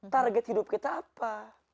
target hidup kita apa